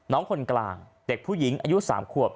น้องคนกลางเด็กผู้หญิงอายุ๓ขวบ